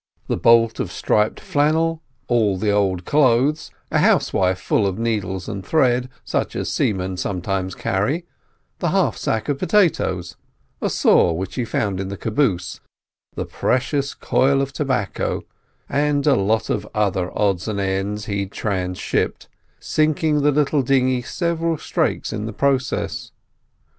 The bolt of striped flannel, all the old clothes, a housewife full of needles and thread, such as seamen sometimes carry, the half sack of potatoes, a saw which he found in the caboose, the precious coil of tobacco, and a lot of other odds and ends he transhipped, sinking the little dinghy several strakes in the process.